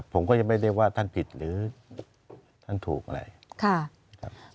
ผมก็ไม่เรียกว่าท่านผิดหรือท่านถูกครับ